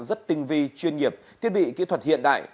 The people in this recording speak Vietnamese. rất tinh vi chuyên nghiệp thiết bị kỹ thuật hiện đại